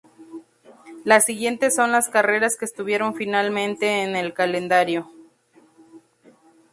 Las siguientes son las carreras que estuvieron finalmente en el calendario.